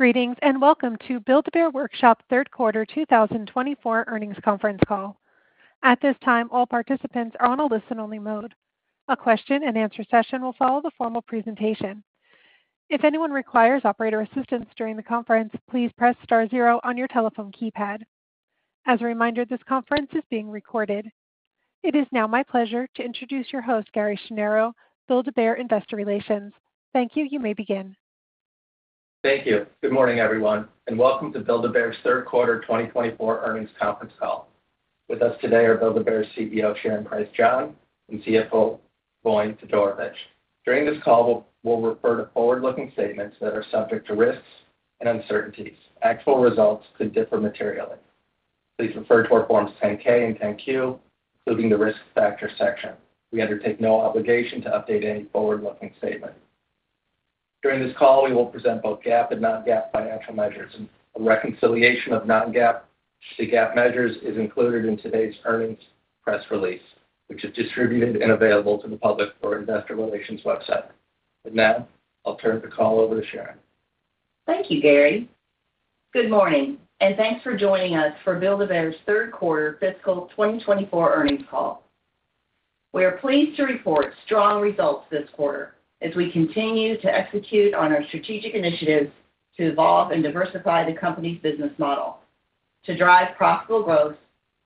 Greetings and welcome to Build-A-Bear Workshop third quarter 2024 earnings conference call. At this time, all participants are on a listen-only mode. A question-and-answer session will follow the formal presentation. If anyone requires operator assistance during the conference, please press star zero on your telephone keypad. As a reminder, this conference is being recorded. It is now my pleasure to introduce your host, Gary Schnierow, Build-A-Bear Investor Relations. Thank you. You may begin. Thank you. Good morning, everyone, and welcome to Build-A-Bear's third quarter 2024 earnings conference call. With us today are Build-A-Bear's CEO, Sharon Price John, and CFO, Voin Todorovic. During this call, we'll refer to forward-looking statements that are subject to risks and uncertainties. Actual results could differ materially. Please refer to our Forms 10-K and 10-Q, including the risk factor section. We undertake no obligation to update any forward-looking statement. During this call, we will present both GAAP and non-GAAP financial measures. A reconciliation of non-GAAP to GAAP measures is included in today's earnings press release, which is distributed and available to the public through our Investor Relations website. And now, I'll turn the call over to Sharon. Thank you, Gary. Good morning, and thanks for joining us for Build-A-Bear's third quarter fiscal 2024 earnings call. We are pleased to report strong results this quarter as we continue to execute on our strategic initiatives to evolve and diversify the company's business model, to drive profitable growth,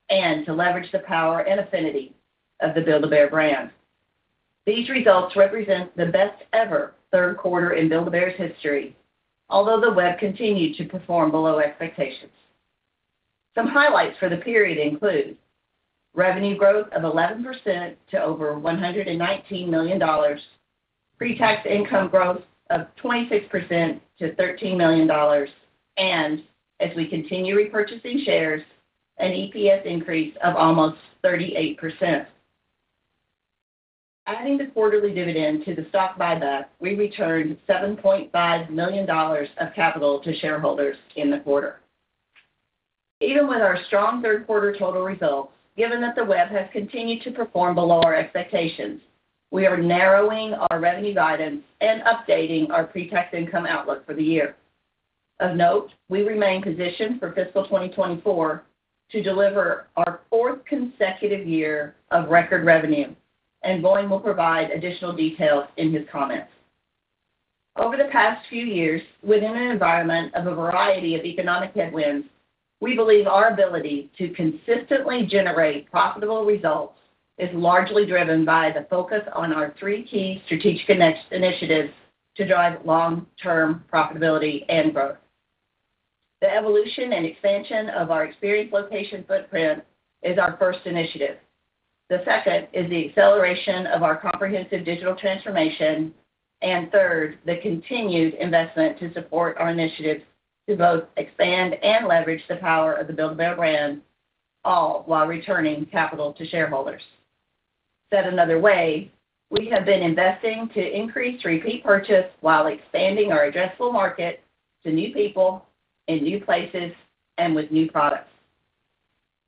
and to leverage the power and affinity of the Build-A-Bear Brand. These results represent the best-ever third quarter in Build-A-Bear's history, although the web continued to perform below expectations. Some highlights for the period include revenue growth of 11% to over $119 million, pre-tax income growth of 26% to $13 million, and as we continue repurchasing shares, an EPS increase of almost 38%. Adding the quarterly dividend to the stock buyback, we returned $7.5 million of capital to shareholders in the quarter. Even with our strong third quarter total results, given that the web has continued to perform below our expectations, we are narrowing our revenue guidance and updating our pre-tax income outlook for the year. Of note, we remain positioned for fiscal 2024 to deliver our fourth consecutive year of record revenue, and Voin will provide additional details in his comments. Over the past few years, within an environment of a variety of economic headwinds, we believe our ability to consistently generate profitable results is largely driven by the focus on our three key strategic initiatives to drive long-term profitability and growth. The evolution and expansion of our experience location footprint is our first initiative. The second is the acceleration of our comprehensive digital transformation, and third, the continued investment to support our initiatives to both expand and leverage the power of the Build-A-Bear brand, all while returning capital to shareholders. Said another way, we have been investing to increase repeat purchase while expanding our addressable market to new people in new places and with new products.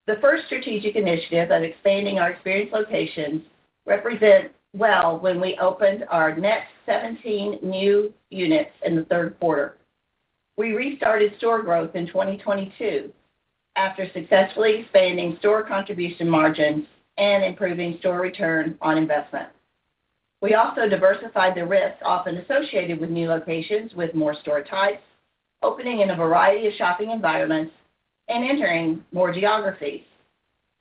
The first strategic initiative of expanding our experience locations represents well when we opened our next 17 new units in the third quarter. We restarted store growth in 2022 after successfully expanding store contribution margins and improving store return on investment. We also diversified the risks often associated with new locations with more store types, opening in a variety of shopping environments, and entering more geographies,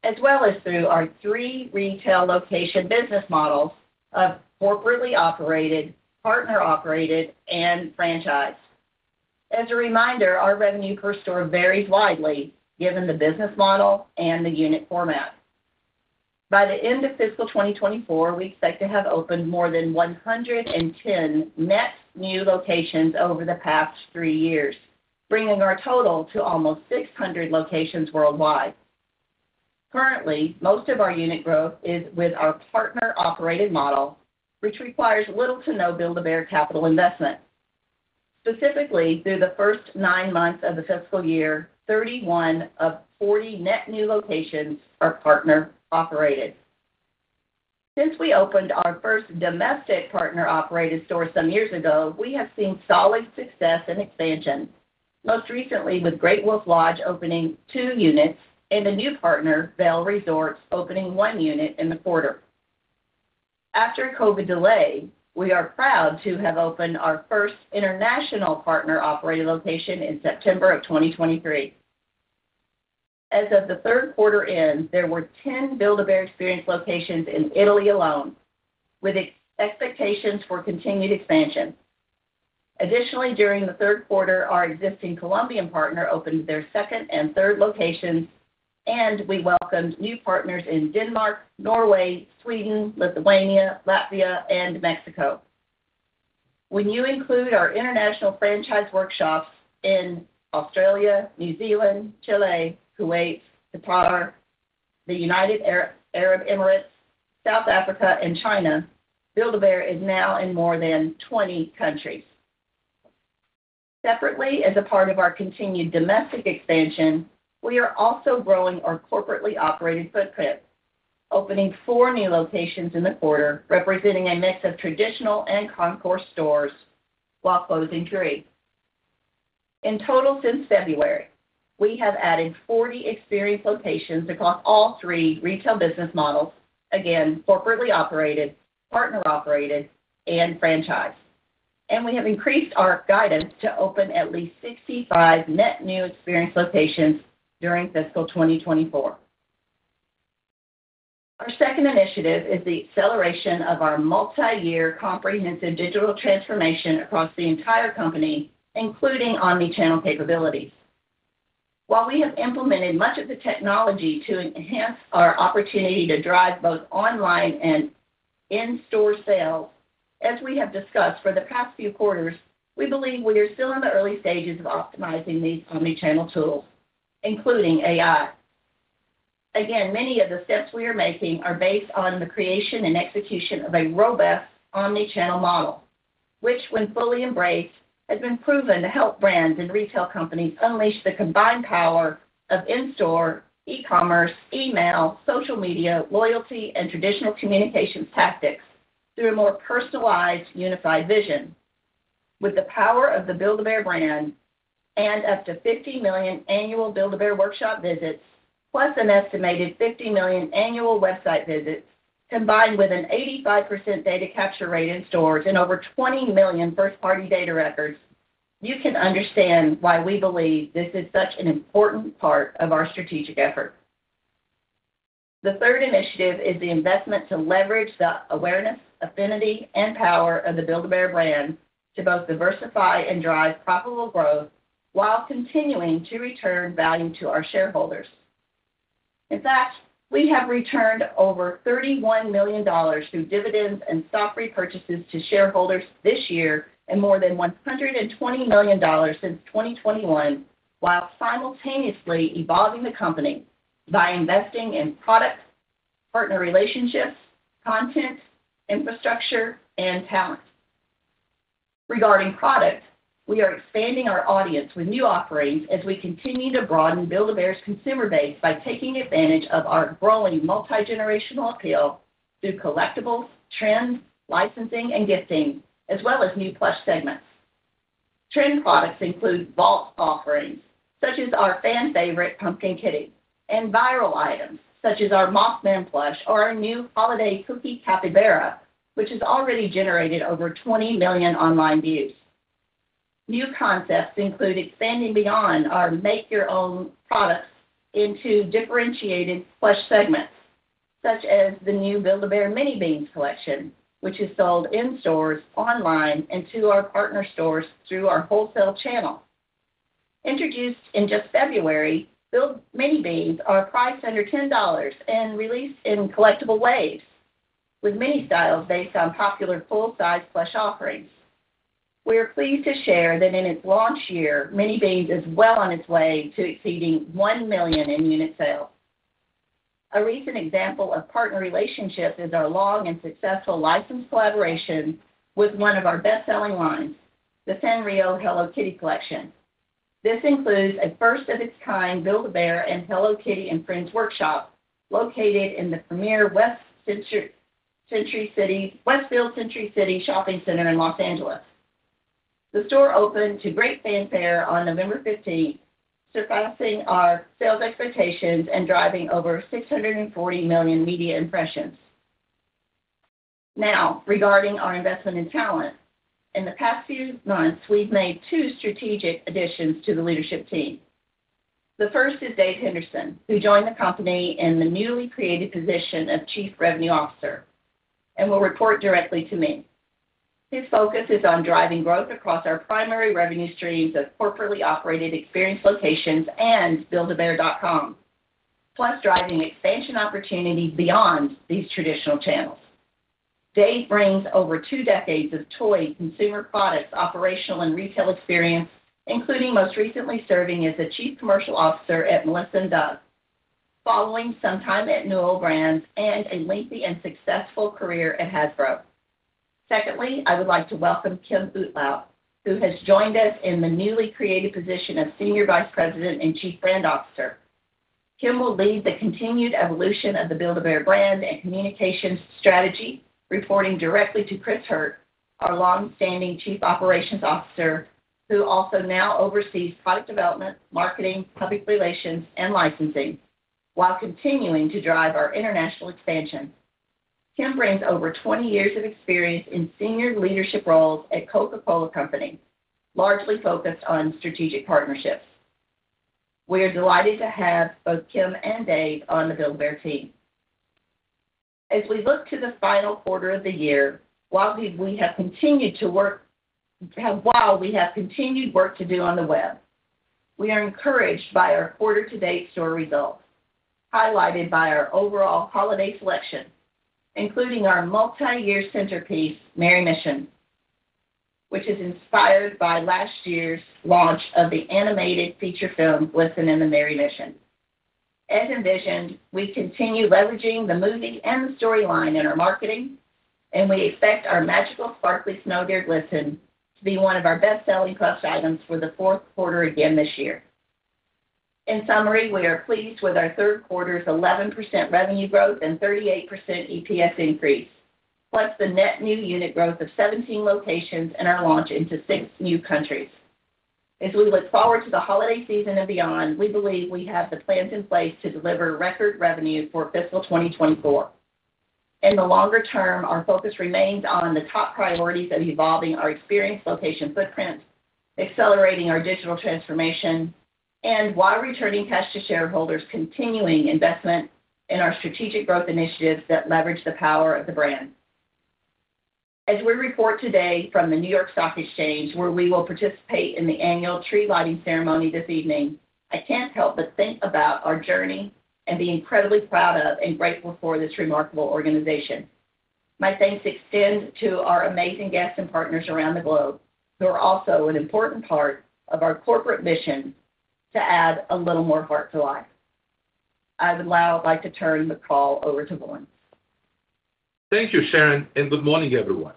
as well as through our three retail location business models of corporately operated, partner-operated, and franchised. As a reminder, our revenue per store varies widely given the business model and the unit format. By the end of fiscal 2024, we expect to have opened more than 110 net new locations over the past three years, bringing our total to almost 600 locations worldwide. Currently, most of our unit growth is with our partner-operated model, which requires little to no Build-A-Bear capital investment. Specifically, through the first nine months of the fiscal year, 31 of 40 net new locations are partner-operated. Since we opened our first domestic partner-operated store some years ago, we have seen solid success and expansion, most recently with Great Wolf Lodge opening two units and a new partner, Vail Resorts, opening one unit in the quarter. After a COVID delay, we are proud to have opened our first international partner-operated location in September of 2023. As of the third quarter end, there were 10 Build-A-Bear experience locations in Italy alone, with expectations for continued expansion. Additionally, during the third quarter, our existing Colombian partner opened their second and third locations, and we welcomed new partners in Denmark, Norway, Sweden, Lithuania, Latvia, and Mexico. When you include our international franchise workshops in Australia, New Zealand, Chile, Kuwait, Qatar, the United Arab Emirates, South Africa, and China, Build-A-Bear is now in more than 20 countries. Separately, as a part of our continued domestic expansion, we are also growing our corporately operated footprint, opening four new locations in the quarter, representing a mix of traditional and concourse stores while closing three. In total, since February, we have added 40 experience locations across all three retail business models, again, corporately operated, partner-operated, and franchised, and we have increased our guidance to open at least 65 net new experience locations during fiscal 2024. Our second initiative is the acceleration of our multi-year comprehensive digital transformation across the entire company, including omnichannel capabilities. While we have implemented much of the technology to enhance our opportunity to drive both online and in-store sales, as we have discussed for the past few quarters, we believe we are still in the early stages of optimizing these omnichannel tools, including AI. Again, many of the steps we are making are based on the creation and execution of a robust omnichannel model, which, when fully embraced, has been proven to help brands and retail companies unleash the combined power of in-store, e-commerce, email, social media, loyalty, and traditional communications tactics through a more personalized, unified vision. With the power of the Build-A-Bear brand and up to 50 million annual Build-A-Bear Workshop visits, plus an estimated 50 million annual website visits, combined with an 85% data capture rate in stores and over 20 million first-party data records, you can understand why we believe this is such an important part of our strategic effort. The third initiative is the investment to leverage the awareness, affinity, and power of the Build-A-Bear brand to both diversify and drive profitable growth while continuing to return value to our shareholders. In fact, we have returned over $31 million through dividends and stock repurchases to shareholders this year and more than $120 million since 2021, while simultaneously evolving the company by investing in products, partner relationships, content, infrastructure, and talent. Regarding product, we are expanding our audience with new offerings as we continue to broaden Build-A-Bear's consumer base by taking advantage of our growing multi-generational appeal through collectibles, trends, licensing, and gifting, as well as new plush segments. Trend products include vault offerings such as our fan-favorite Pumpkin Kitty and viral items such as our Mothman plush or our new Holiday Cookie Capybara, which has already generated over 20 million online views. New concepts include expanding beyond our make-your-own products into differentiated plush segments, such as the new Build-A-Bear Mini Beans collection, which is sold in stores, online, and to our partner stores through our wholesale channel. Introduced in just February, Build-A-Bear Mini Beans are priced under $10 and released in collectible waves with mini styles based on popular full-size plush offerings. We are pleased to share that in its launch year, Mini Beans is well on its way to exceeding 1 million in unit sales. A recent example of partner relationships is our long and successful license collaboration with one of our best-selling lines, the Sanrio Hello Kitty collection. This includes a first-of-its-kind Build-A-Bear and Hello Kitty and Friends Workshop located in the premier Westfield Century City shopping center in Los Angeles. The store opened to great fanfare on November 15th, surpassing our sales expectations and driving over 640 million media impressions. Now, regarding our investment in talent, in the past few months, we've made two strategic additions to the leadership team. The first is Dave Henderson, who joined the company in the newly created position of Chief Revenue Officer and will report directly to me. His focus is on driving growth across our primary revenue streams of corporately operated experience locations and Build-A-Bear.com, plus driving expansion opportunities beyond these traditional channels. Dave brings over two decades of toy consumer products operational and retail experience, including most recently serving as a Chief Commercial Officer at Melissa & Doug, following some time at Newell Brands and a lengthy and successful career at Hasbro. Secondly, I would like to welcome Kim Boutilier, who has joined us in the newly created position of Senior Vice President and Chief Brand Officer. Kim will lead the continued evolution of the Build-A-Bear brand and communications strategy, reporting directly to Chris Hurt, our longstanding Chief Operations Officer, who also now oversees product development, marketing, public relations, and licensing, while continuing to drive our international expansion. Kim brings over 20 years of experience in senior leadership roles at Coca-Cola Company, largely focused on strategic partnerships. We are delighted to have both Kim and Dave on the Build-A-Bear team. As we look to the final quarter of the year, while we have continued to work, while we have continued work to do on the web, we are encouraged by our quarter-to-date store results, highlighted by our overall holiday selection, including our multi-year centerpiece, Merry Mission, which is inspired by last year's launch of the animated feature film, Glisten and the Merry Mission. As envisioned, we continue leveraging the movie and the storyline in our marketing, and we expect our magical sparkly snow bear Glisten to be one of our best-selling plush items for the fourth quarter again this year. In summary, we are pleased with our third quarter's 11% revenue growth and 38% EPS increase, plus the net new unit growth of 17 locations and our launch into six new countries. As we look forward to the holiday season and beyond, we believe we have the plans in place to deliver record revenue for fiscal 2024. In the longer term, our focus remains on the top priorities of evolving our experience location footprint, accelerating our digital transformation, and while returning cash to shareholders, continuing investment in our strategic growth initiatives that leverage the power of the brand. As we report today from the New York Stock Exchange, where we will participate in the annual tree lighting ceremony this evening, I can't help but think about our journey and be incredibly proud of and grateful for this remarkable organization. My thanks extend to our amazing guests and partners around the globe, who are also an important part of our corporate mission to add a little more heart to life. I would now like to turn the call over to Voin. Thank you, Sharon, and good morning, everyone.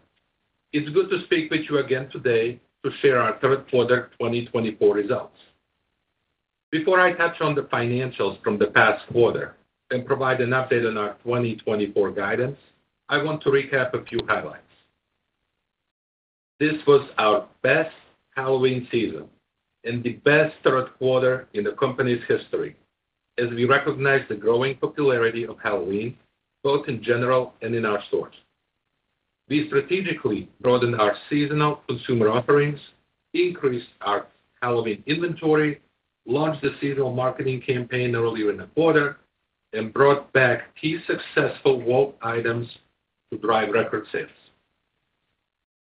It's good to speak with you again today to share our third quarter 2024 results. Before I touch on the financials from the past quarter and provide an update on our 2024 guidance, I want to recap a few highlights. This was our best Halloween season and the best third quarter in the company's history, as we recognized the growing popularity of Halloween, both in general and in our stores. We strategically broadened our seasonal consumer offerings, increased our Halloween inventory, launched a seasonal marketing campaign earlier in the quarter, and brought back key successful vault items to drive record sales.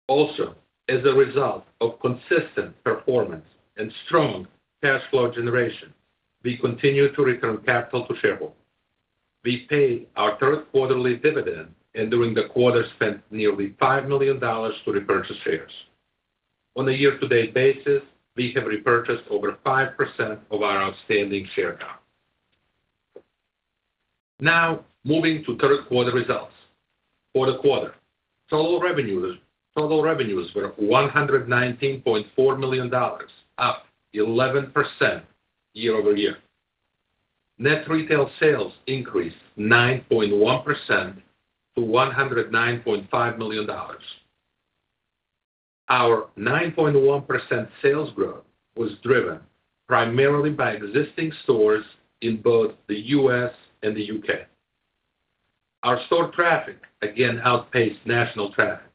Also, as a result of consistent performance and strong cash flow generation, we continue to return capital to shareholders. We paid our third quarterly dividend, and during the quarter, spent nearly $5 million to repurchase shares. On a year-to-date basis, we have repurchased over 5% of our outstanding share count now. Moving to third quarter results, quarter-to-quarter, total revenues were $119.4 million, up 11% year over year. Net retail sales increased 9.1% to $109.5 million. Our 9.1% sales growth was driven primarily by existing stores in both the U.S. and the U.K. Our store traffic again outpaced national traffic,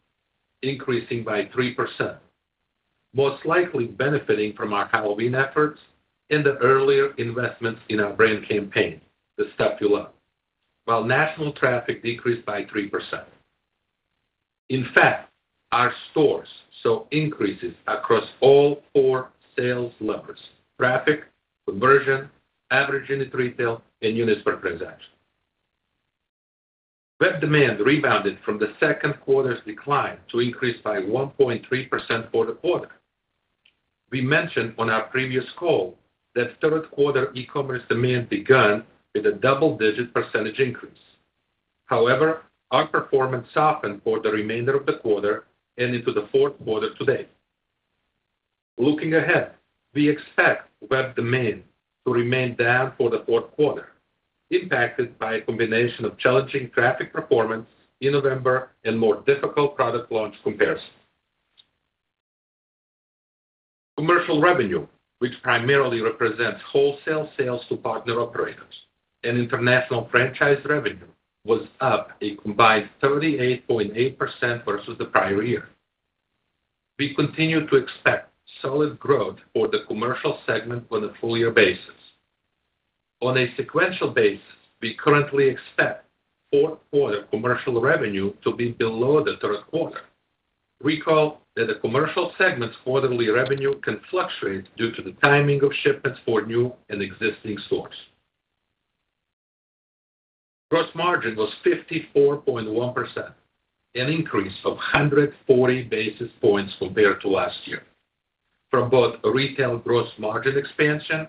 increasing by 3%, most likely benefiting from our Halloween efforts and the earlier investments in our brand campaign, The Stuff You Love, while national traffic decreased by 3%. In fact, our stores saw increases across all four sales levels: traffic, conversion, average unit retail, and units per transaction. Web demand rebounded from the second quarter's decline to increase by 1.3% quarter-to-quarter. We mentioned on our previous call that third-quarter e-commerce demand began with a double-digit percentage increase. However, our performance softened for the remainder of the quarter and into the fourth quarter today. Looking ahead, we expect web demand to remain down for the fourth quarter, impacted by a combination of challenging traffic performance in November and more difficult product launch comparisons. Commercial revenue, which primarily represents wholesale sales to partner operators, and international franchise revenue was up a combined 38.8% versus the prior year. We continue to expect solid growth for the commercial segment on a full-year basis. On a sequential basis, we currently expect fourth-quarter commercial revenue to be below the third quarter. Recall that the commercial segment's quarterly revenue can fluctuate due to the timing of shipments for new and existing stores. Gross margin was 54.1%, an increase of 140 basis points compared to last year, from both retail gross margin expansion,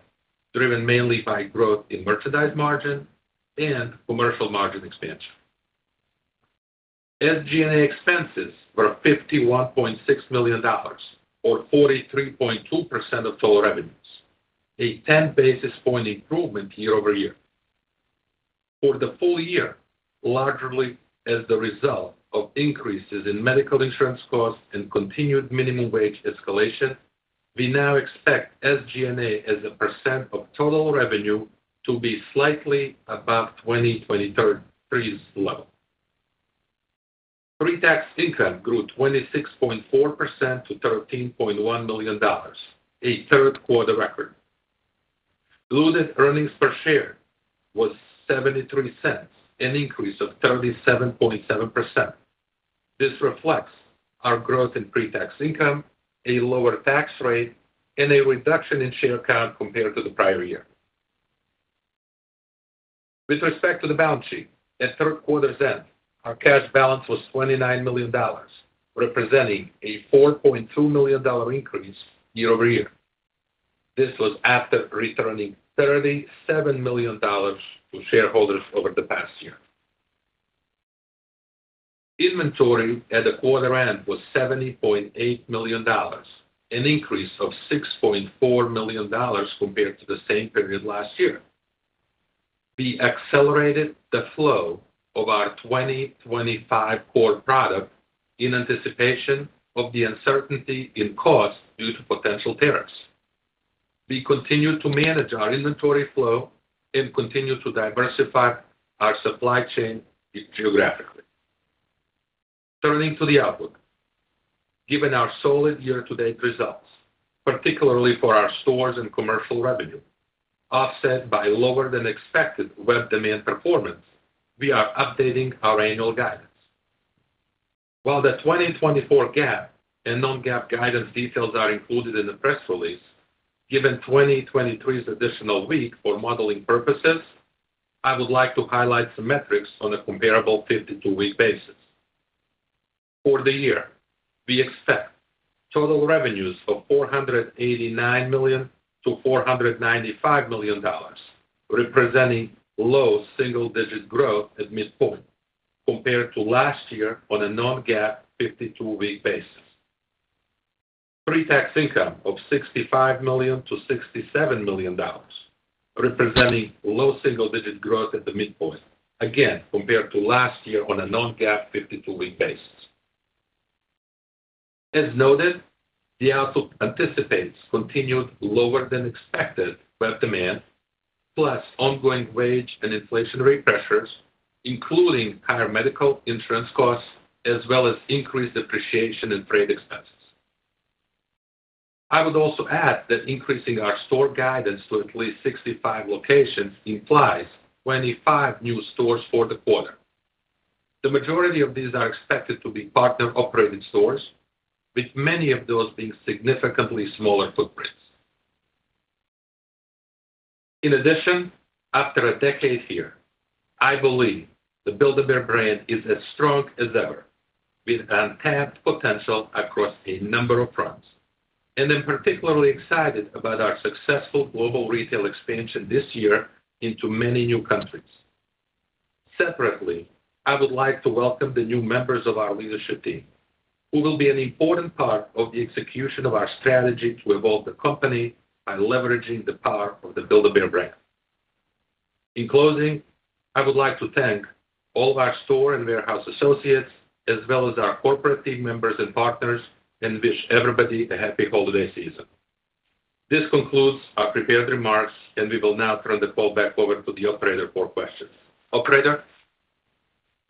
driven mainly by growth in merchandise margin, and commercial margin expansion. SG&A expenses were $51.6 million, or 43.2% of total revenues, a 10 basis point improvement year over year. For the full year, largely as the result of increases in medical insurance costs and continued minimum wage escalation, we now expect SG&A as a percent of total revenue to be slightly above 2023's level. Pre-tax income grew 26.4% to $13.1 million, a third-quarter record. Diluted earnings per share was $0.73, an increase of 37.7%. This reflects our growth in pre-tax income, a lower tax rate, and a reduction in share count compared to the prior year. With respect to the balance sheet, at third quarter's end, our cash balance was $29 million, representing a $4.2 million increase year over year. This was after returning $37 million to shareholders over the past year. Inventory at the quarter end was $70.8 million, an increase of $6.4 million compared to the same period last year. We accelerated the flow of our 2025 core product in anticipation of the uncertainty in cost due to potential tariffs. We continued to manage our inventory flow and continued to diversify our supply chain geographically. Turning to the outlook, given our solid year-to-date results, particularly for our stores and commercial revenue, offset by lower-than-expected web demand performance, we are updating our annual guidance. While the 2024 GAAP and non-GAAP guidance details are included in the press release, given 2023's additional week for modeling purposes, I would like to highlight some metrics on a comparable 52-week basis. For the year, we expect total revenues of $489-$495 million, representing low single-digit growth at midpoint compared to last year on a non-GAAP 52-week basis. Pre-tax income of $65-$67 million, representing low single-digit growth at the midpoint, again compared to last year on a non-GAAP 52-week basis. As noted, the outlook anticipates continued lower-than-expected web demand, plus ongoing wage and inflationary pressures, including higher medical insurance costs, as well as increased depreciation and freight expenses. I would also add that increasing our store guidance to at least 65 locations implies 25 new stores for the quarter. The majority of these are expected to be partner-operated stores, with many of those being significantly smaller footprints. In addition, after a decade here, I believe the Build-A-Bear Brand is as strong as ever, with untapped potential across a number of fronts, and I'm particularly excited about our successful global retail expansion this year into many new countries. Separately, I would like to welcome the new members of our leadership team, who will be an important part of the execution of our strategy to evolve the company by leveraging the power of the Build-A-Bear Brand. In closing, I would like to thank all of our store and warehouse associates, as well as our corporate team members and partners, and wish everybody a happy holiday season. This concludes our prepared remarks, and we will now turn the call back over to the operator for questions. Operator.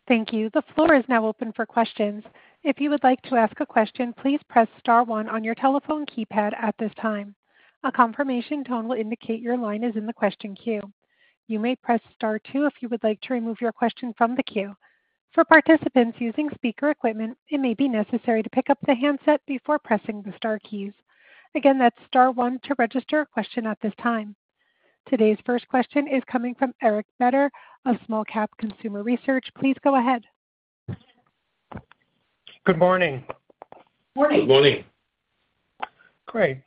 Thank you. The floor is now open for questions. If you would like to ask a question, please press star one on your telephone keypad at this time. A confirmation tone will indicate your line is in the question queue. You may press star two if you would like to remove your question from the queue. For participants using speaker equipment, it may be necessary to pick up the handset before pressing the star keys. Again, that's star one to register a question at this time. Today's first question is coming from Eric Beder, of Small Cap Consumer Research. Please go ahead. Good morning. Good morning. Good morning. Great.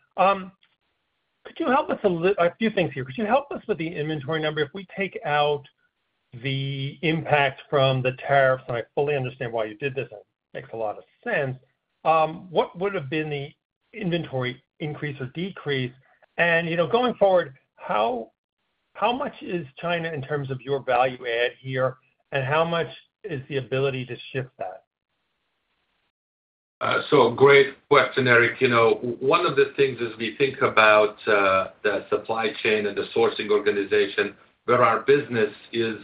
Could you help us a few things here? Could you help us with the inventory number? If we take out the impact from the tariffs, and I fully understand why you did this, and it makes a lot of sense, what would have been the inventory increase or decrease? And going forward, how much is China in terms of your value add here, and how much is the ability to shift that? So great question, Eric. One of the things as we think about the supply chain and the sourcing organization, where our business is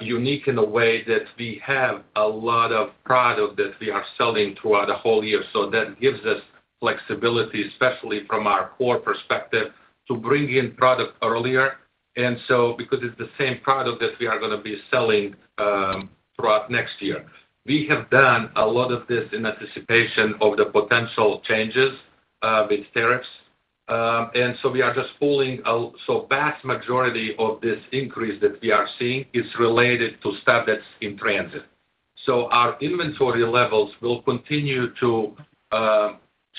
unique in a way that we have a lot of product that we are selling throughout the whole year. So that gives us flexibility, especially from our core perspective, to bring in product earlier. And so because it is the same product that we are going to be selling throughout next year, we have done a lot of this in anticipation of the potential changes with tariffs. And so we are just pulling so the vast majority of this increase that we are seeing is related to stuff that's in transit. So our inventory levels will continue to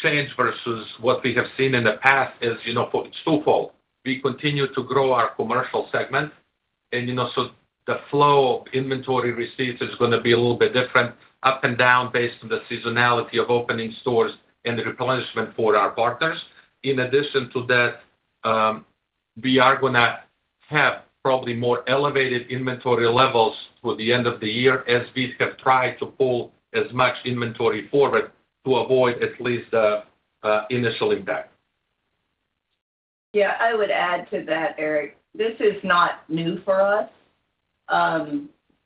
change versus what we have seen in the past, as it's twofold. We continue to grow our commercial segment, and so the flow of inventory receipts is going to be a little bit different, up and down based on the seasonality of opening stores and the replenishment for our partners. In addition to that, we are going to have probably more elevated inventory levels toward the end of the year, as we have tried to pull as much inventory forward to avoid at least the initial impact. Yeah. I would add to that, Eric. This is not new for us.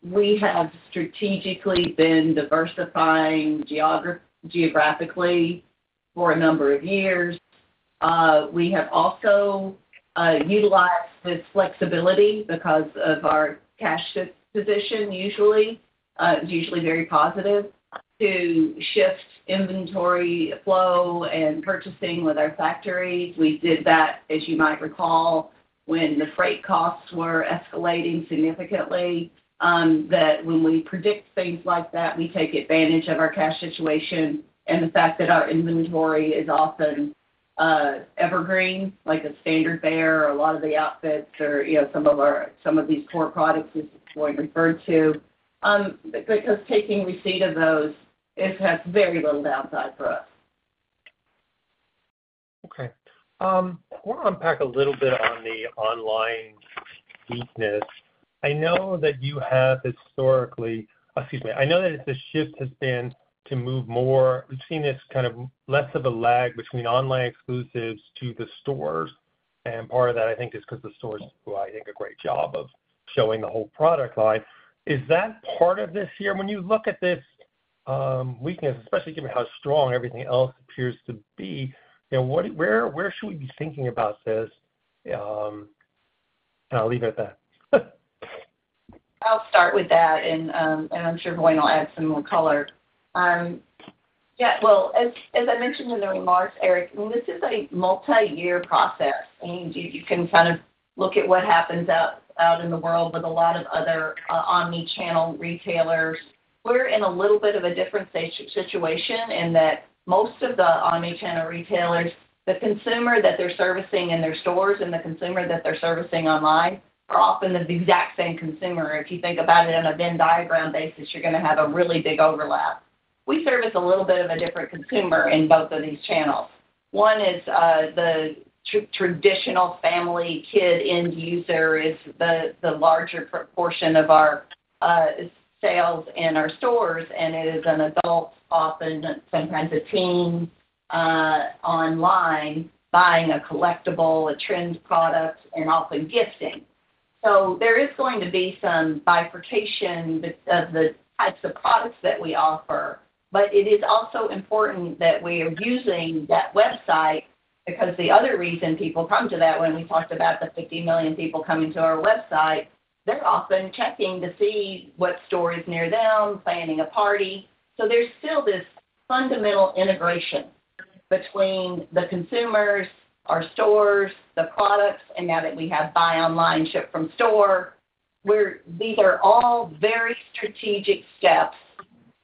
We have strategically been diversifying geographically for a number of years. We have also utilized this flexibility because of our cash position, usually. It's usually very positive to shift inventory flow and purchasing with our factories. We did that, as you might recall, when the freight costs were escalating significantly, that when we predict things like that, we take advantage of our cash situation and the fact that our inventory is often evergreen, like a standard bear or a lot of the outfits or some of these core products as it's been referred to. But just taking receipt of those has very little downside for us. Okay. I want to unpack a little bit on the online weakness. I know that you have historically, excuse me. I know that the shift has been to move more. We've seen this kind of less of a lag between online exclusives to the stores. And part of that, I think, is because the stores do, I think, a great job of showing the whole product line. Is that part of this year? When you look at this weakness, especially given how strong everything else appears to be, where should we be thinking about this? And I'll leave it at that. I'll start with that, and I'm sure Voin will add some more color. Yeah. Well, as I mentioned in the remarks, Eric, this is a multi-year process, and you can kind of look at what happens out in the world with a lot of other omnichannel retailers. We're in a little bit of a different situation in that most of the omnichannel retailers, the consumer that they're servicing in their stores and the consumer that they're servicing online are often the exact same consumer. If you think about it on a Venn diagram basis, you're going to have a really big overlap. We service a little bit of a different consumer in both of these channels. One is the traditional family kid end user; it's the larger portion of our sales and our stores, and it is an adult, often sometimes a teen, online buying a collectible, a trend product, and often gifting. So there is going to be some bifurcation of the types of products that we offer, but it is also important that we are using that website because the other reason people come to that, when we talked about the 50 million people coming to our website, they're often checking to see what store is near them, planning a party. So there's still this fundamental integration between the consumers, our stores, the products, and now that we have buy online, ship from store. These are all very strategic steps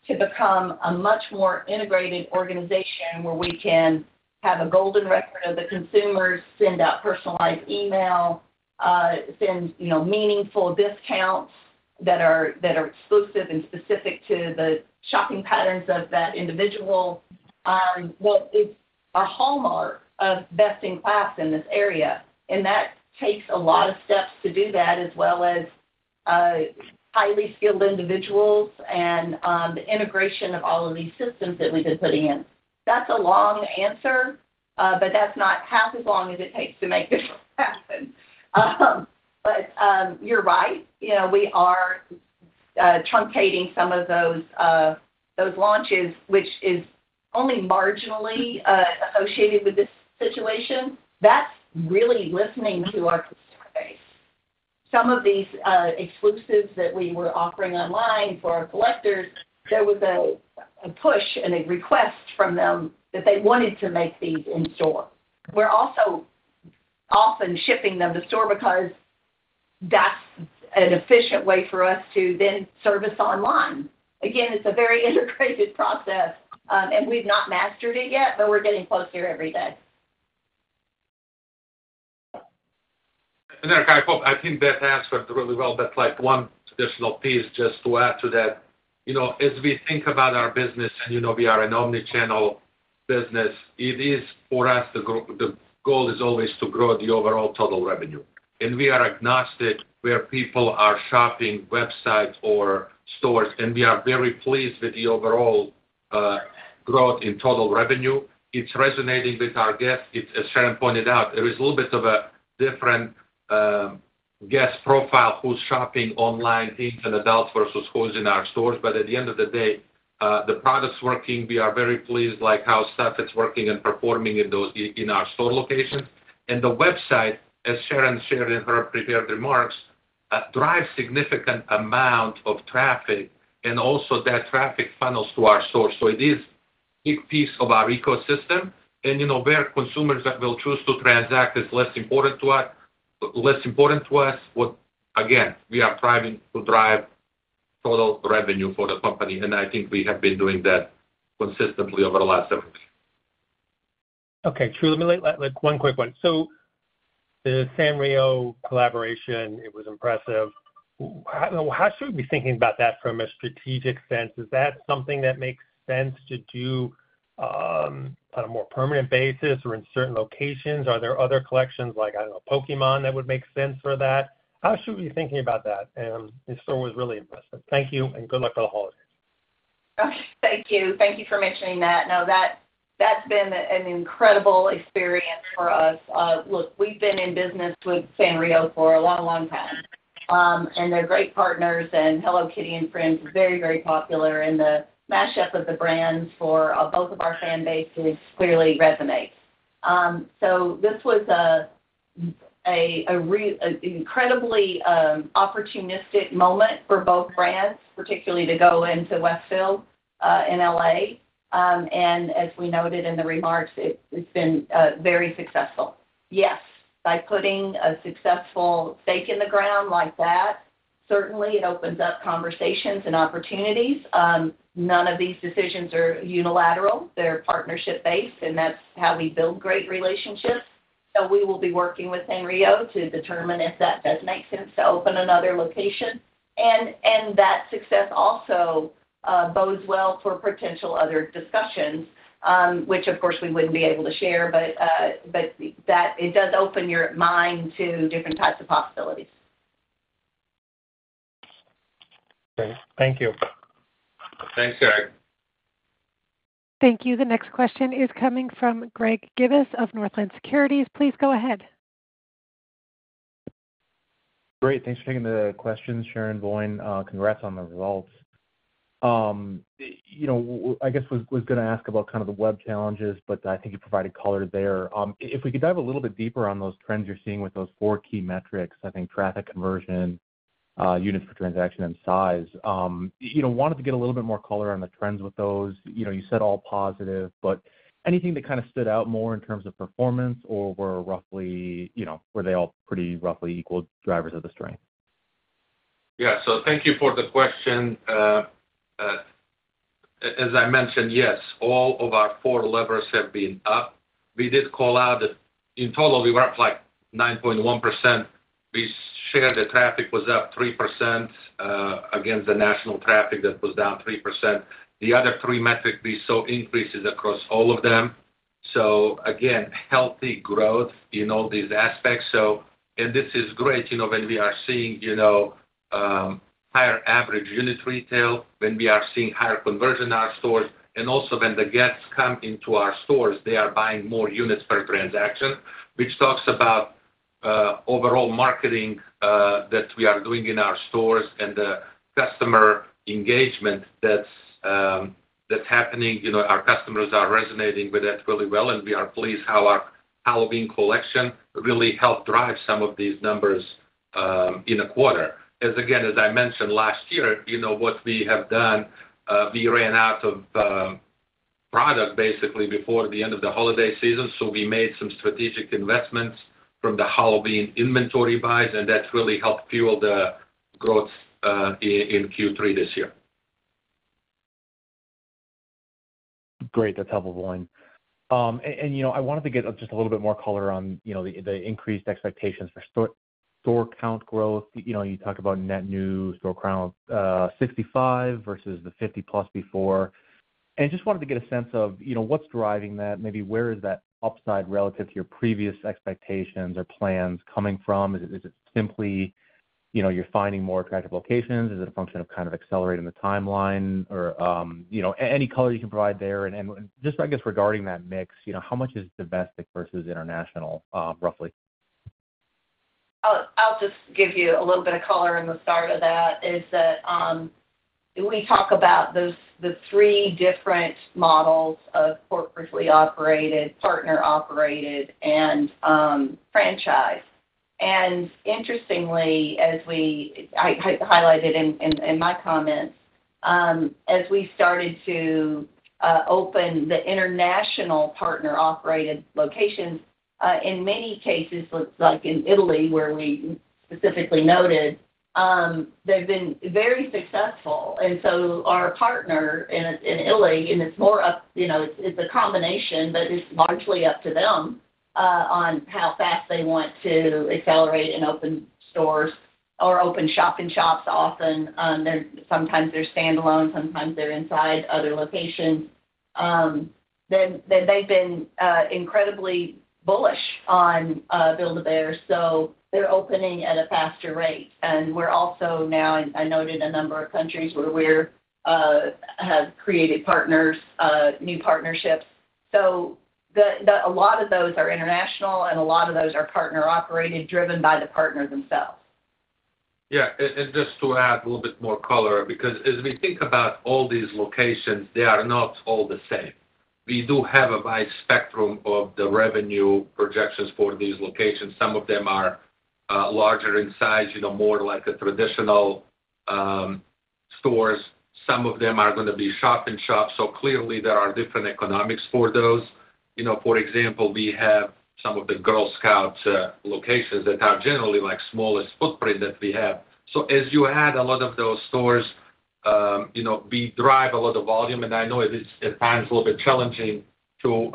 to become a much more integrated organization where we can have a golden record of the consumers, send out personalized email, send meaningful discounts that are exclusive and specific to the shopping patterns of that individual. But it's a hallmark of best in class in this area, and that takes a lot of steps to do that, as well as highly skilled individuals and the integration of all of these systems that we've been putting in. That's a long answer, but that's not half as long as it takes to make this happen. But you're right. We are truncating some of those launches, which is only marginally associated with this situation. That's really listening to our consumer base. Some of these exclusives that we were offering online for our collectors. There was a push and a request from them that they wanted to make these in store. We're also often shipping them to store because that's an efficient way for us to then service online. Again, it's a very integrated process, and we've not mastered it yet, but we're getting closer every day, and Eric, I hope I think that answered really well. That's one additional piece just to add to that. As we think about our business, and we are an omnichannel business, it is for us the goal is always to grow the overall total revenue, and we are agnostic where people are shopping websites or stores, and we are very pleased with the overall growth in total revenue. It's resonating with our guests. As Sharon pointed out, there is a little bit of a different guest profile who's shopping online, teens and adults, versus who's in our stores. But at the end of the day, the product's working. We are very pleased how stuff is working and performing in our store locations. And the website, as Sharon shared in her prepared remarks, drives a significant amount of traffic, and also that traffic funnels to our stores. So it is a big piece of our ecosystem. And where consumers will choose to transact is less important to us. Again, we are trying to drive total revenue for the company, and I think we have been doing that consistently over the last several years. Okay. True. Let me let one quick one. So the Sanrio collaboration, it was impressive. How should we be thinking about that from a strategic sense? Is that something that makes sense to do on a more permanent basis or in certain locations? Are there other collections like, I don't know, Pokémon that would make sense for that? How should we be thinking about that? And the store was really impressive. Thank you, and good luck for the holidays. Thank you. Thank you for mentioning that. No, that's been an incredible experience for us. Look, we've been in business with Sanrio for a long, long time, and they're great partners. And Hello Kitty and Friends is very, very popular, and the mashup of the brands for both of our fan bases clearly resonates. So this was an incredibly opportunistic moment for both brands, particularly to go into Westfield in LA. And as we noted in the remarks, it's been very successful. Yes. By putting a successful stake in the ground like that, certainly it opens up conversations and opportunities. None of these decisions are unilateral. They're partnership-based, and that's how we build great relationships. So we will be working with Sanrio to determine if that does make sense to open another location. And that success also bodes well for potential other discussions, which, of course, we wouldn't be able to share, but it does open your mind to different types of possibilities. Okay. Thank you. Thanks, Eric. Thank you. The next question is coming from Greg Gibas of Northland Securities. Please go ahead. Great. Thanks for taking the question, Sharon, Voin. Congrats on the results. I guess I was going to ask about kind of the web challenges, but I think you provided color there. If we could dive a little bit deeper on those trends you're seeing with those four key metrics, I think traffic conversion, units per transaction, and size, wanted to get a little bit more color on the trends with those. You said all positive, but anything that kind of stood out more in terms of performance or were they all pretty roughly equal drivers of the strength? Yeah. So thank you for the question. As I mentioned, yes, all of our four levers have been up. We did call out that in total, we were up like 9.1%. We shared the traffic was up 3% against the national traffic that was down 3%. The other three metrics we saw increases across all of them. So again, healthy growth in all these aspects. And this is great when we are seeing higher average unit retail, when we are seeing higher conversion in our stores, and also when the guests come into our stores, they are buying more units per transaction, which talks about overall marketing that we are doing in our stores and the customer engagement that's happening. Our customers are resonating with that really well, and we are pleased how our Halloween collection really helped drive some of these numbers in a quarter. Again, as I mentioned last year, what we have done, we ran out of product basically before the end of the holiday season, so we made some strategic investments from the Halloween inventory buys, and that really helped fuel the growth in Q3 this year. Great. That's helpful, Voin. And I wanted to get just a little bit more color on the increased expectations for store count growth. You talked about net new store count 65 versus the 50-plus before. And just wanted to get a sense of what's driving that. Maybe where is that upside relative to your previous expectations or plans coming from? Is it simply you're finding more attractive locations? Is it a function of kind of accelerating the timeline? Or any color you can provide there? And just, I guess, regarding that mix, how much is domestic versus international, roughly? I'll just give you a little bit of color in the start of that, is that we talk about the three different models of corporately operated, partner-operated, and franchise. And interestingly, as we highlighted in my comments, as we started to open the international partner-operated locations, in many cases, like in Italy where we specifically noted, they've been very successful. Our partner in Italy. It's a combination, but it's largely up to them on how fast they want to accelerate and open stores or open shop-in-shops often. Sometimes they're standalone. Sometimes they're inside other locations. They have been incredibly bullish on Build-A-Bear, so they're opening at a faster rate. We are also now, and I noted a number of countries where we have created new partnerships. So a lot of those are international, and a lot of those are partner-operated, driven by the partner themselves. Yeah. Just to add a little bit more color, because as we think about all these locations, they are not all the same. We do have a wide spectrum of the revenue projections for these locations. Some of them are larger in size, more like traditional stores. Some of them are going to be shop-in-shops. So clearly, there are different economics for those. For example, we have some of the Girl Scouts locations that are generally smallest footprint that we have. So as you add a lot of those stores, we drive a lot of volume. And I know it's at times a little bit challenging to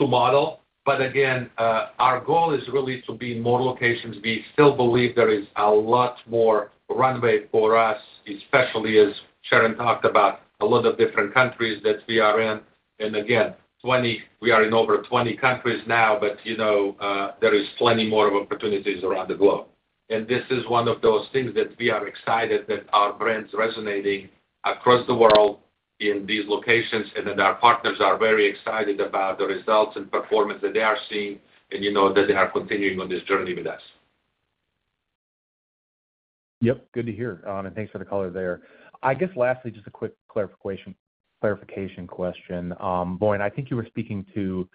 model. But again, our goal is really to be in more locations. We still believe there is a lot more runway for us, especially as Sharon talked about, a lot of different countries that we are in. And again, we are in over 20 countries now, but there is plenty more of opportunities around the globe. This is one of those things that we are excited that our brand's resonating across the world in these locations, and that our partners are very excited about the results and performance that they are seeing and that they are continuing on this journey with us. Yep. Good to hear. Thanks for the color there. I guess lastly, just a quick clarification question. Voin, I think you were speaking to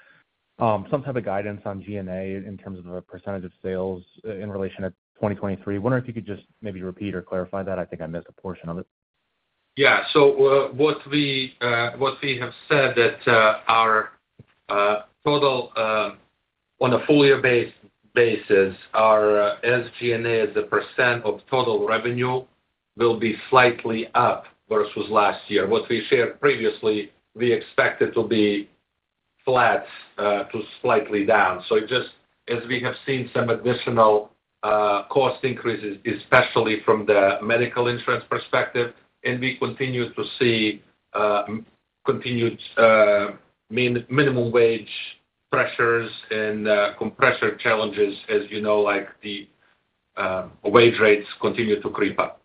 some type of guidance on G&A in terms of a percentage of sales in relation to 2023. Wonder if you could just maybe repeat or clarify that. I think I missed a portion of it. Yeah. So what we have said that our total on a full-year basis is G&A as a % of total revenue will be slightly up versus last year. What we shared previously, we expected to be flat to slightly down. So just as we have seen some additional cost increases, especially from the medical insurance perspective, and we continue to see continued minimum wage pressures and compression challenges, as you know, like the wage rates continue to creep up.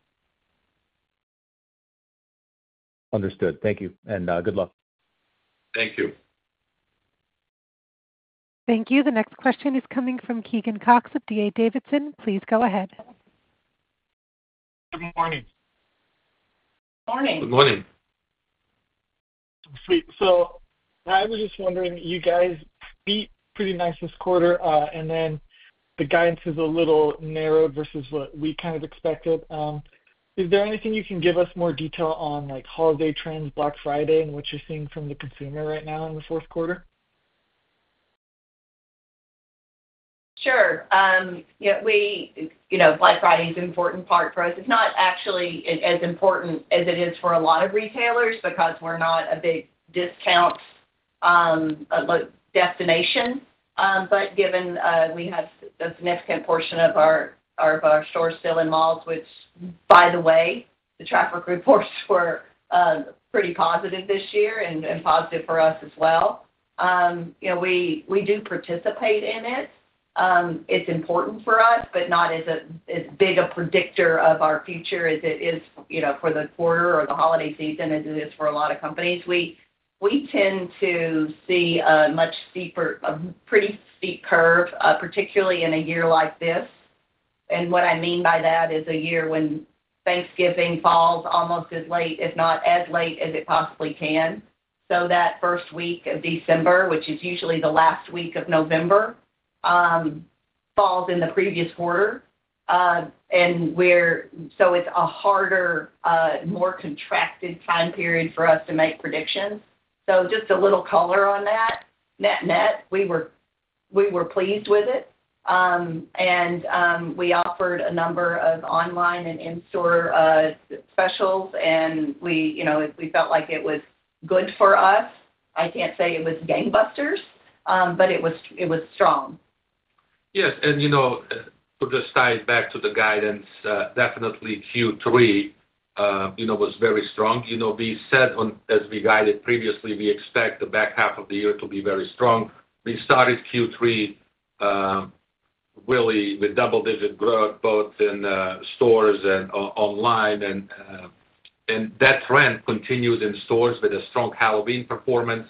Understood. Thank you. And good luck. Thank you. Thank you. The next question is coming from Keegan Cox of D.A. Davidson. Please go ahead. Good morning. Good morning. Good morning. Sweet. So I was just wondering, you guys beat pretty nice this quarter, and then the guidance is a little narrow versus what we kind of expected. Is there anything you can give us more detail on holiday trends, Black Friday, and what you're seeing from the consumer right now in the fourth quarter? Sure. Yeah. Black Friday is an important part for us. It's not actually as important as it is for a lot of retailers because we're not a big discount destination. But given we have a significant portion of our store still in malls, which, by the way, the traffic reports were pretty positive this year and positive for us as well. We do participate in it. It's important for us, but not as big a predictor of our future as it is for the quarter or the holiday season as it is for a lot of companies. We tend to see a pretty steep curve, particularly in a year like this. And what I mean by that is a year when Thanksgiving falls almost as late, if not as late as it possibly can. So that first week of December, which is usually the last week of November, falls in the previous quarter. And so it's a harder, more contracted time period for us to make predictions. So just a little color on that. Net net, we were pleased with it. And we offered a number of online and in-store specials, and we felt like it was good for us. I can't say it was gangbusters, but it was strong. Yes. And to just tie it back to the guidance, definitely Q3 was very strong. We said as we guided previously, we expect the back half of the year to be very strong. We started Q3 really with double-digit growth both in stores and online, and that trend continued in stores with a strong Halloween performance.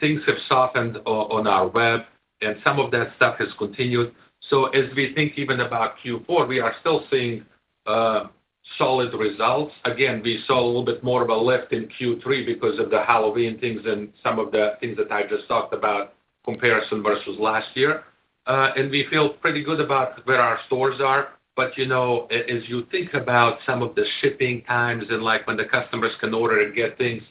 Things have softened on our web, and some of that stuff has continued. So as we think even about Q4, we are still seeing solid results. Again, we saw a little bit more of a lift in Q3 because of the Halloween things and some of the things that I just talked about, comparison versus last year. And we feel pretty good about where our stores are. But as you think about some of the shipping times and when the customers can order and get things,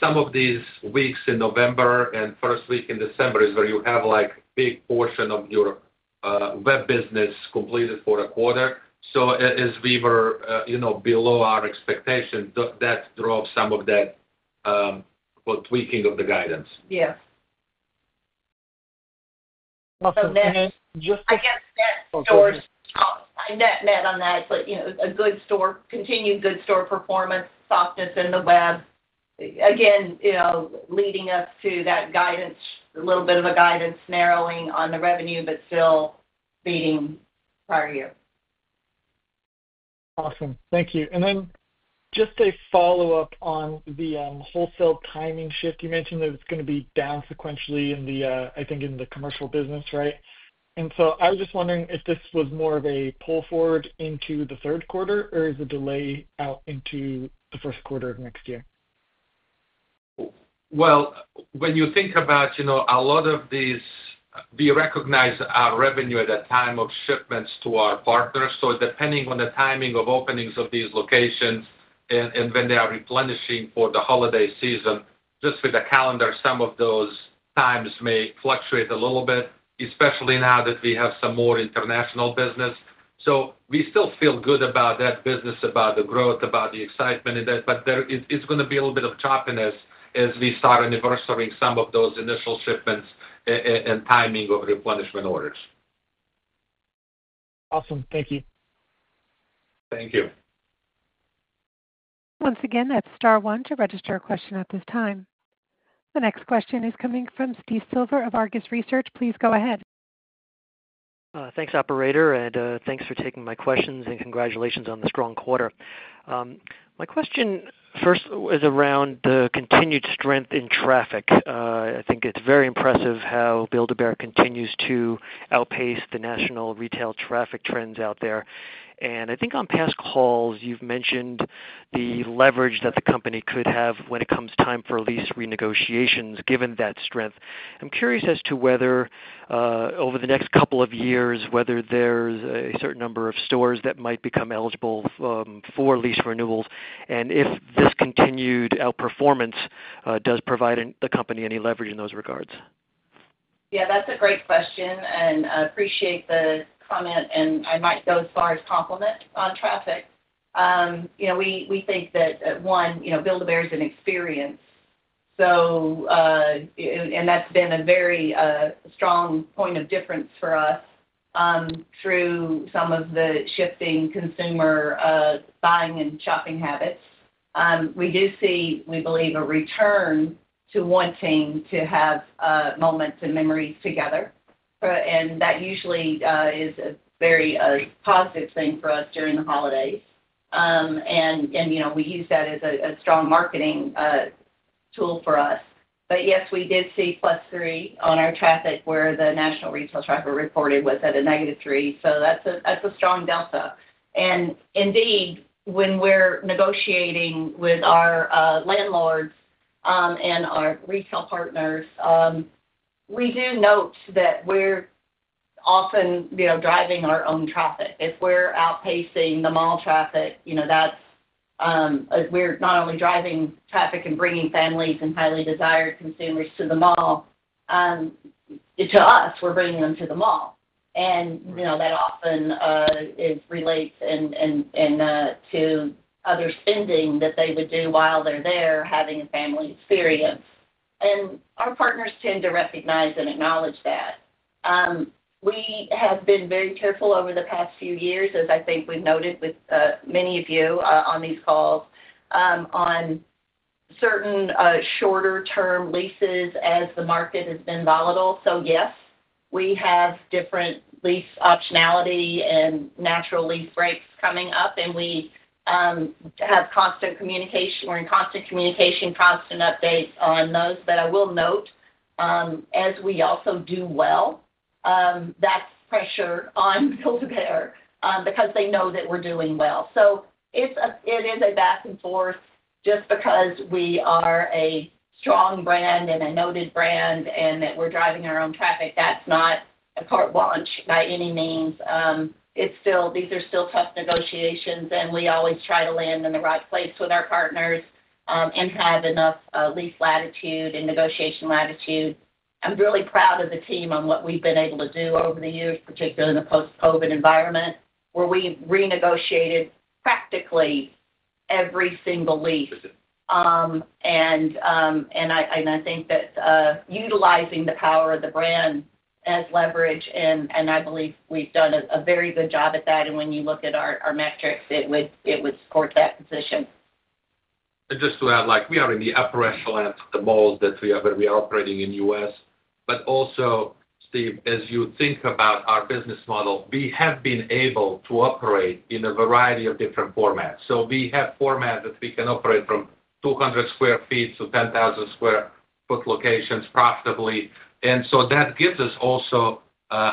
some of these weeks in November and first week in December is where you have a big portion of your web business completed for a quarter. So as we were below our expectations, that drove some of that tweaking of the guidance. Yes. So then just. I guess net net on that, but a continued good store performance, softness in the web, again, leading us to that guidance, a little bit of a guidance narrowing on the revenue, but still beating prior year. Awesome. Thank you. And then just a follow-up on the wholesale timing shift. You mentioned it was going to be down sequentially, I think, in the commercial business, right? And so I was just wondering if this was more of a pull forward into the third quarter or is the delay out into the first quarter of next year? Well, when you think about a lot of these, we recognize our revenue at that time of shipments to our partners. So depending on the timing of openings of these locations and when they are replenishing for the holiday season, just with the calendar, some of those times may fluctuate a little bit, especially now that we have some more international business. So we still feel good about that business, about the growth, about the excitement in that. But it's going to be a little bit of choppiness as we start anniversarying some of those initial shipments and timing of replenishment orders. Awesome. Thank you. Thank you. Once again, that's star one to register a question at this time. The next question is coming from Steve Silver of Argus Research. Please go ahead. Thanks, operator. And thanks for taking my questions and congratulations on the strong quarter. My question first is around the continued strength in traffic. I think it's very impressive how Build-A-Bear continues to outpace the national retail traffic trends out there. And I think on past calls, you've mentioned the leverage that the company could have when it comes time for lease renegotiations, given that strength. I'm curious as to whether over the next couple of years, whether there's a certain number of stores that might become eligible for lease renewals and if this continued outperformance does provide the company any leverage in those regards. Yeah. That's a great question. And I appreciate the comment. And I might go as far as compliments on traffic. We think that, one, Build-A-Bear is an experience. And that's been a very strong point of difference for us through some of the shifting consumer buying and shopping habits. We do see, we believe, a return to wanting to have moments and memories together. And that usually is a very positive thing for us during the holidays. And we use that as a strong marketing tool for us. But yes, we did see +3% on our traffic where the national retail traffic reported was at a -3%. That's a strong delta. Indeed, when we're negotiating with our landlords and our retail partners, we do note that we're often driving our own traffic. If we're outpacing the mall traffic, we're not only driving traffic and bringing families and highly desired consumers to the mall. To us, we're bringing them to the mall. That often relates to other spending that they would do while they're there having a family experience. Our partners tend to recognize and acknowledge that. We have been very careful over the past few years, as I think we've noted with many of you on these calls, on certain shorter-term leases as the market has been volatile. Yes, we have different lease optionality and natural lease breaks coming up. We have constant communication, constant updates on those. But I will note, as we also do well, that's pressure on Build-A-Bear because they know that we're doing well. So it is a back and forth just because we are a strong brand and a noted brand and that we're driving our own traffic. That's not a carte blanche by any means. These are still tough negotiations, and we always try to land in the right place with our partners and have enough lease latitude and negotiation latitude. I'm really proud of the team on what we've been able to do over the years, particularly in the post-COVID environment, where we renegotiated practically every single lease, and I think that utilizing the power of the brand as leverage, and I believe we've done a very good job at that, and when you look at our metrics, it would support that position. And just to add, we are in the upper echelon of the malls that we are operating in the U.S. But also, Steve, as you think about our business model, we have been able to operate in a variety of different formats. So we have formats that we can operate from 200 sq ft to 10,000 sq ft locations profitably. And so that gives us also a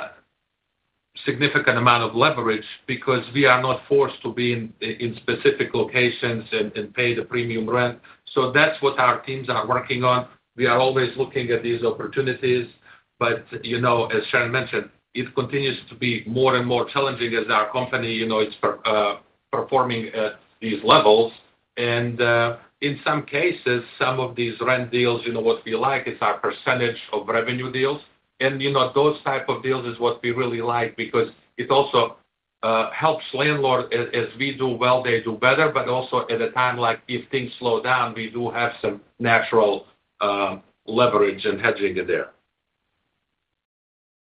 significant amount of leverage because we are not forced to be in specific locations and pay the premium rent. So that's what our teams are working on. We are always looking at these opportunities. But as Sharon mentioned, it continues to be more and more challenging as our company is performing at these levels. And in some cases, some of these rent deals, what we like is our percentage of revenue deals. And those type of deals is what we really like because it also helps landlords. As we do well, they do better. But also at a time like if things slow down, we do have some natural leverage and hedging there.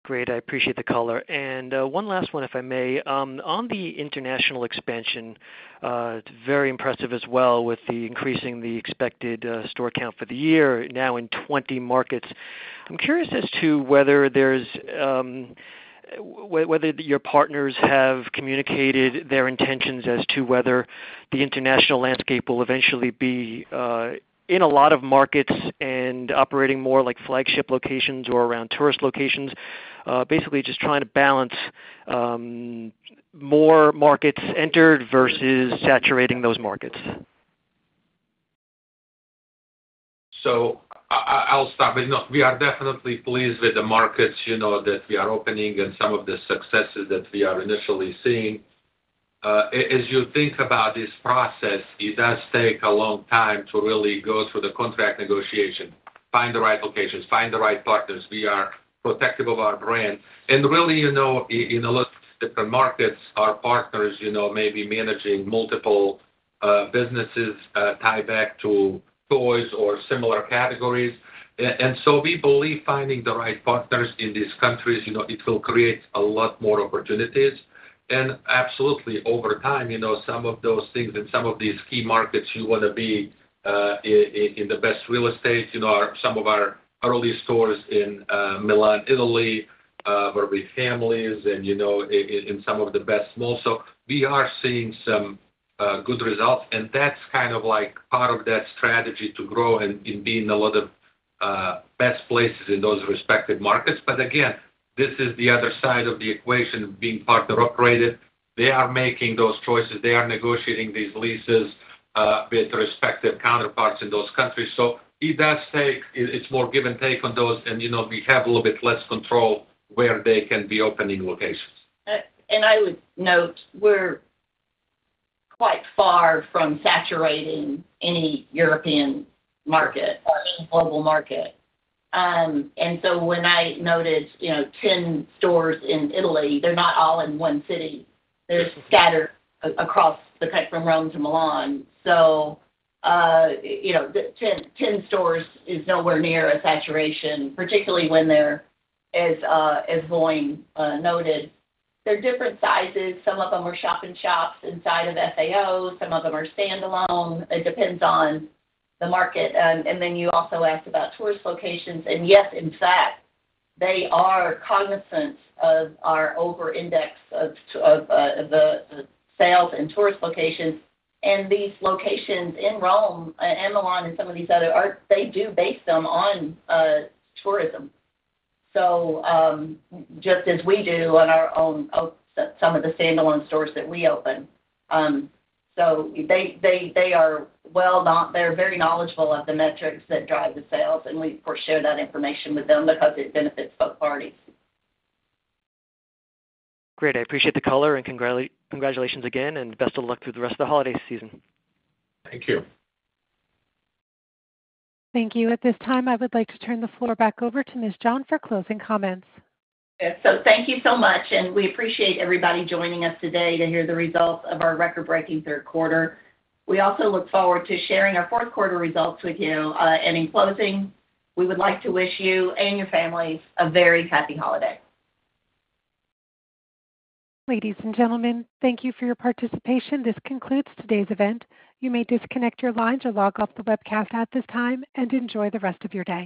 Great. I appreciate the color. And one last one, if I may. On the international expansion, it's very impressive as well with the increasing the expected store count for the year, now in 20 markets. I'm curious as to whether your partners have communicated their intentions as to whether the international landscape will eventually be in a lot of markets and operating more like flagship locations or around tourist locations, basically just trying to balance more markets entered versus saturating those markets. So I'll stop. We are definitely pleased with the markets that we are opening and some of the successes that we are initially seeing. As you think about this process, it does take a long time to really go through the contract negotiation, find the right locations, find the right partners. We are protective of our brand. And really, in a lot of different markets, our partners may be managing multiple businesses tied back to toys or similar categories. And so we believe finding the right partners in these countries, it will create a lot more opportunities. And absolutely, over time, some of those things in some of these key markets you want to be in the best real estate, some of our early stores in Milan, Italy, where we have 10 and in some of the best malls. So we are seeing some good results. And that's kind of part of that strategy to grow and be in a lot of best places in those respective markets. But again, this is the other side of the equation of being partner operated. They are making those choices. They are negotiating these leases with respective counterparts in those countries. So it does take. It's more give and take on those. And we have a little bit less control where they can be opening locations. And I would note we're quite far from saturating any European market, any global market. And so when I noted 10 stores in Italy, they're not all in one city. They're scattered across the country from Rome to Milan. So 10 stores is nowhere near a saturation, particularly when they're, as Voin noted, they're different sizes. Some of them are shop-in-shops inside of FAO. Some of them are standalone. It depends on the market. And then you also asked about tourist locations. And yes, in fact, they are cognizant of our over-index of the sales in tourist locations. And these locations in Rome and Milan and some of these other, they do base them on tourism. So just as we do on our own some of the standalone stores that we open. So they are well-known. They're very knowledgeable of the metrics that drive the sales. And we, of course, share that information with them because it benefits both parties. Great. I appreciate the color. And congratulations again. And best of luck through the rest of the holiday season. Thank you. Thank you. At this time, I would like to turn the floor back over to Ms. John for closing comments. So thank you so much. And we appreciate everybody joining us today to hear the results of our record-breaking third quarter. We also look forward to sharing our fourth quarter results with you. And in closing, we would like to wish you and your families a very happy holiday. Ladies and gentlemen, thank you for your participation. This concludes today's event. You may disconnect your lines or log off the webcast at this time and enjoy the rest of your day.